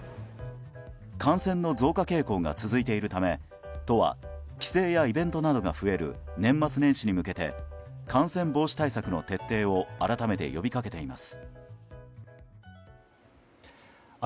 感染の増加傾向が続いているため都は、帰省やイベントなどが増える年末年始に向けて感染防止対策の徹底を改めて呼びかけています。